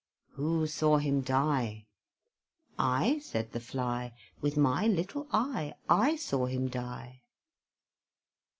Who saw him die? "I," said the Fly, "With my little eye, I saw him die."